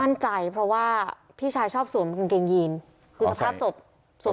มั่นใจเพราะว่าพี่ชายชอบสวมเกงเกงยีนคือสภาพสดสวมเกงเกงยีน